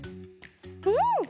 うん！